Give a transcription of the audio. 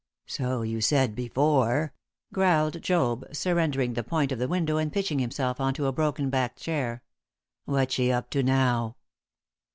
"So you said before," growled Job, surrendering the point of the window and pitching himself on to a broken backed chair. "What's she up to now?"